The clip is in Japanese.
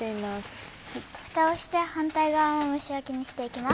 フタをして反対側も蒸し焼きにしていきます。